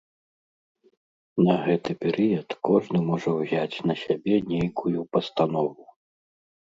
На гэты перыяд кожны можа ўзяць на сябе нейкую пастанову.